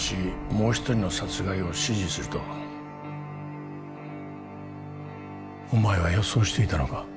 もう一人の殺害を指示するとお前は予想していたのか？